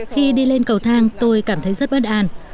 khi đi lên cầu thang tôi cảm thấy rất bất an